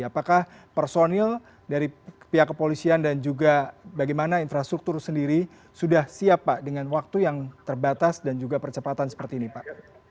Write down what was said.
apakah personil dari pihak kepolisian dan juga bagaimana infrastruktur sendiri sudah siap pak dengan waktu yang terbatas dan juga percepatan seperti ini pak